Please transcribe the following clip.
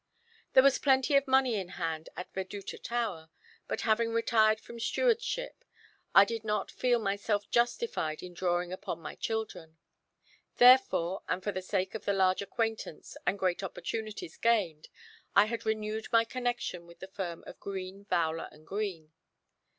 There was plenty of money in hand at Veduta tower; but having retired from stewardship, I did not feel myself justified in drawing upon my children. Therefore, and for the sake of the large acquaintance and great opportunities gained, I had renewed my connection with the firm of Green, Vowler, and Green.